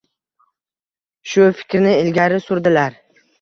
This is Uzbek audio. Shu fikrni ilgari surdilar